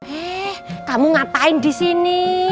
eh kamu ngapain disini